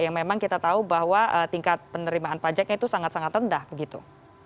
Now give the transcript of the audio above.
yang memang kita tahu bahwa tingkat penerimaan pajaknya itu sangat sangat rendah begitu